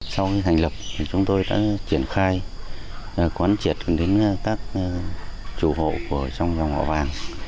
sau khi thành lập chúng tôi đã triển khai quán triệt đến các chủ hộ trong dòng họ vàng